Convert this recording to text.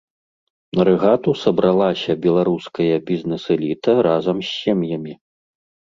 На рэгату сабралася беларуская бізнэс-эліта разам з сем'ямі.